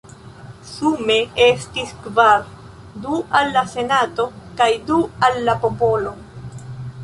Sume estis kvar: du al la senato, kaj du al la popolo.